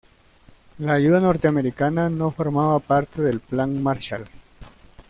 La ayuda norteamericana no formaba parte del Plan Marshall.